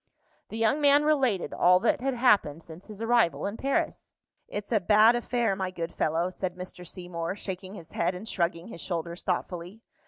The young man related all that had happened since his arrival in Paris. "It's a bad affair, my good fellow," said Mr. Seymour, shaking his head and shrugging his shoulders thoughtfully.